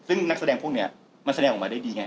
ซึ่งนักแสดงพวกนี้มันแสดงออกมาได้ดีไง